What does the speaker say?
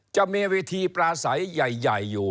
จะมีวิธีปลาใสใหญ่อยู่